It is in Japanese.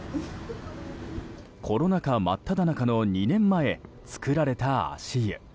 コロナ禍真っただ中の２年前作られた足湯。